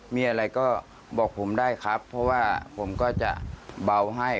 มีอะไรก็บอกผมได้ครับเพราะว่าผมก็จะเบาให้